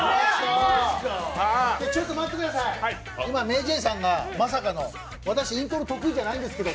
ちょっと待ってください、今ＭａｙＪ．さんがまさかの「私、イントロ得意じゃないんですけど」